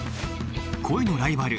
恋のライバル